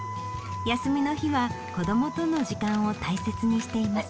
休みの日は子どもとの時間を大切にしています。